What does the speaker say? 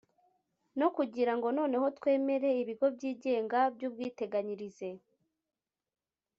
no kugira ngo noneho twemere ibigo byigenga by’ubwiteganyirize